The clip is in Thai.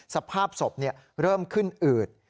สภาพศพเนี่ยเริ่มขึ้นอืด